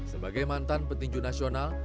sebagai mantan petinju nasional